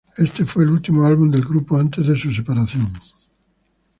Éste fue el último álbum del grupo antes de su separación.